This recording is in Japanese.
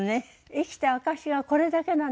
生きた証しはこれだけなんですよ。